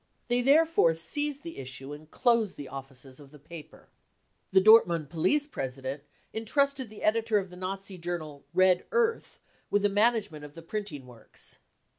They therefore seized the issue and closed the offices of the paper. The i iff THE CAMPAIGN AGAINST CULTURE I93 Dortmund police president entrusted the editor of the Nazi journal Red Earth with the management of the printing works.